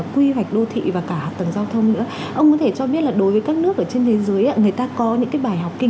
quy hoạch đô thị